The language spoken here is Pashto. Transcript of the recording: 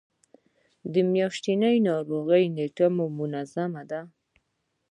د میاشتنۍ ناروغۍ نیټه مو منظمه ده؟